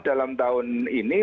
dalam tahun ini